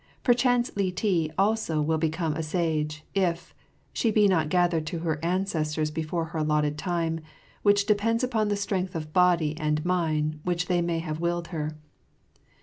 Perchance Li ti also will become a sage, if she be not gathered to her ancestors before her allotted time, which depends upon the strength of body and mind which they may have willed her.